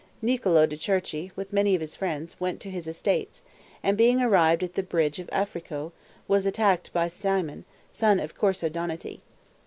Niccolo de' Cerchi, with many of his friends, went to his estates, and being arrived at the bridge of Affrico, was attacked by Simone, son of Corso Donati.